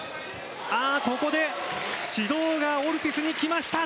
ここで指導がオルティスに来ました。